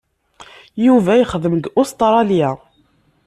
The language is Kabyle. Yuba yexdem deg Ustṛalya.